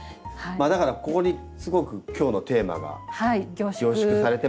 だからここにすごく今日のテーマが凝縮されてますよね。